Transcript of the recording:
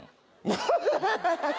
アハハハハ。